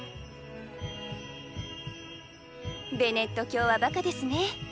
ベネット教はバカですね。？